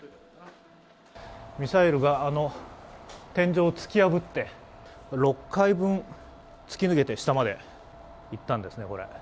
ミサイルがあの天井を突き破って６階分、突き抜けて下まで行ったんですね。